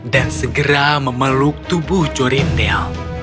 dan segera memeluk tubuh jorindel